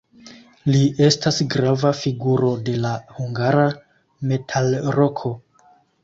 Li estas grava figuro de la hungara metalroko.